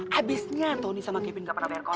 habisnya tony sama kevin gak pernah berangkat